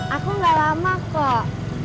aku gak lama kok